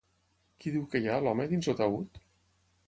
Qui diu que hi ha, l'home, dins el taüt?